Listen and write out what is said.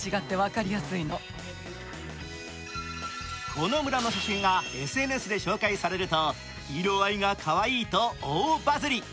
この村の写真がＳＮＳで紹介されると色合いがかわいいと、大バズり。